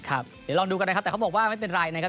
เดี๋ยวลองดูกันนะครับแต่เขาบอกว่าไม่เป็นไรนะครับ